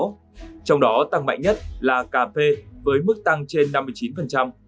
trong đó tăng mạnh nhất là cà phê với mức tăng trên năm mươi chín